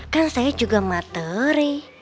kan saya juga matere